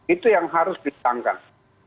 itu yang harus ditanggung